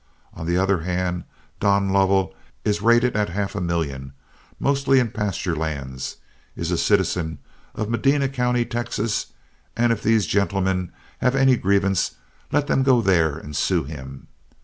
On the other hand, Don Lovell is rated at half a million, mostly in pasture lands; is a citizen of Medina County, Texas, and if these gentlemen have any grievance, let them go there and sue him.